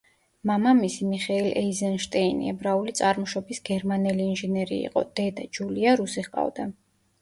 მამამისი, მიხეილ ეიზენშტეინი, ებრაული წარმოშობის გერმანელი ინჟინერი იყო; დედა, ჯულია, რუსი ჰყავდა.